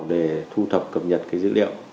để thu thập cập nhật cái dữ liệu